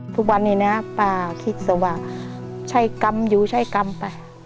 ทุกวันนี้นะป้าคิดซะว่าใช้กรรมอยู่ใช้กรรมไป